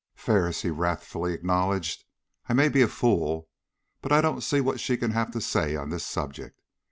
"Ferris," he wrathfully acknowledged, "I may be a fool, but I don't see what she can have to say on this subject.